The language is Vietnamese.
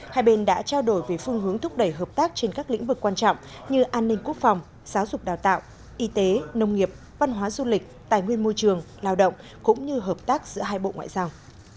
hai bên đã trao đổi về phương hướng thúc đẩy hợp tác trên các lĩnh vực quan trọng như an ninh quốc phòng giáo dục đào tạo y tế nông nghiệp văn hóa du lịch tài nguyên môi trường lao động cũng như hợp tác giữa hai bộ ngoại giao